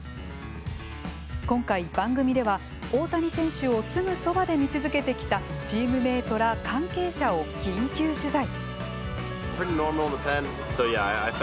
今回番組では、大谷選手をすぐそばで見続けてきたチームメートら関係者を緊急取材。